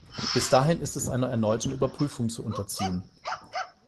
Bis dahin ist es einer erneuten Überprüfung zu unterziehen.